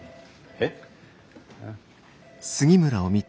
えっ！